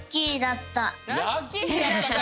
ラッキーだったか！